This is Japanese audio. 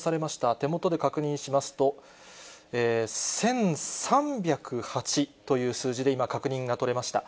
手元で確認しますと、１３０８という数字で、今確認が取れました。